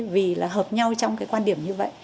vì là hợp nhau trong cái quan điểm như vậy